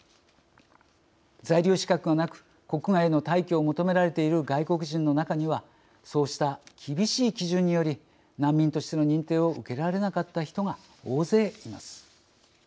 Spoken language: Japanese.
在留資格がなく国外への退去を求められている外国人の中にはそうした厳しい基準により難民としての認定を受けられなかった人が大勢います。